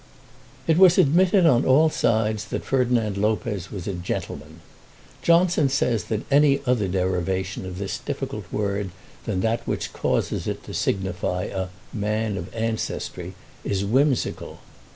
It was admitted on all sides that Ferdinand Lopez was a "gentleman." Johnson says that any other derivation of this difficult word than that which causes it to signify "a man of ancestry" is whimsical.